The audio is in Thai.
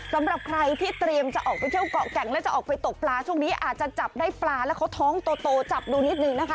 สำหรับใครที่เตรียมจะออกไปเที่ยวเกาะแก่งแล้วจะออกไปตกปลาช่วงนี้อาจจะจับได้ปลาแล้วเขาท้องโตจับดูนิดนึงนะคะ